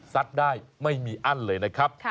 ได้ไม่มีอั้นเลยนะครับ